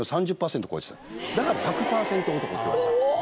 だから「１００％男」って言われてたんです。